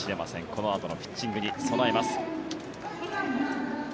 このあとのピッチングに備えます。